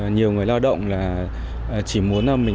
nhiều người lao động chỉ muốn làm việc